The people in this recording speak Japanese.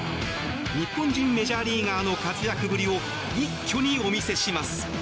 日本人メジャーリーガーの活躍ぶりを一挙にお見せします。